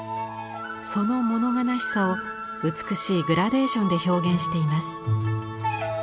その物悲しさを美しいグラデーションで表現しています。